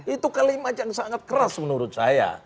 itu kalimat yang sangat keras menurut saya